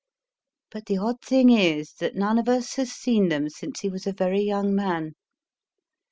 But the odd thing is that none of us has seen them since he was a very young man.